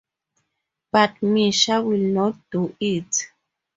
But Misha will not do it.